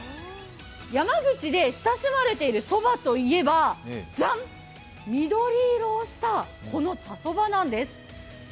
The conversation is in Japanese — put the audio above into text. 山口で親しまれているそばといえば、じゃん、緑色をしたこの茶そばなんです。